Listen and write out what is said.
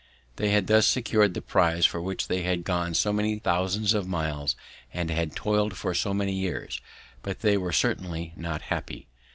They had thus secured the prize for which they had gone so many thousands of miles and had toiled for so many years, but they were certainly not happy.